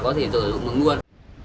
có thể sử dụng được luôn